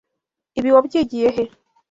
Ibi wabyigiye he?